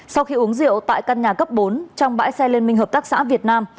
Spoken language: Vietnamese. sau khi uống rượu tại căn nhà cấp bốn trong bãi xe liên minh hợp tác xã việt nam